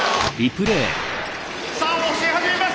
さあ押し始めました！